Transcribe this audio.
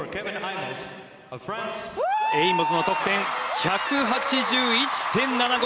エイモズの得点１８１．７５！